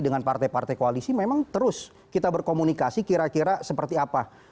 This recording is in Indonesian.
dengan partai partai koalisi memang terus kita berkomunikasi kira kira seperti apa